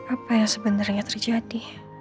apa yang sebenernya terjadi